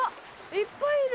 いっぱいいる！